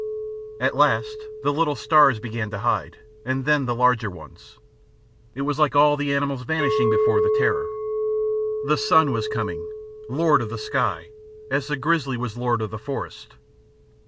At last the little stars began to hide, and then the larger ones. It was like all the animals vanishing before the Terror. The Sun was coming, lord of the sky, as the grizzly was lord of the forest.